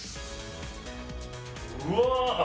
うわ。